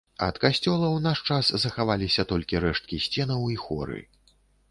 Ад касцёла ў наш час захаваліся толькі рэшткі сценаў і хоры.